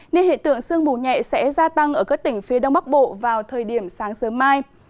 nên hiện tượng sương mù nhẹ sẽ gia tăng ở các tỉnh phía đông bắc bộ vào thời điểm sáng sớm mai